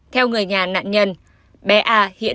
theo người nhà nạn nhân bé a hiện